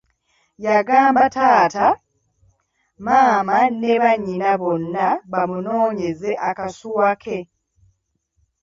Yagamba taata, maama ne bannyina bonna bamunonyeze akasuwa ke.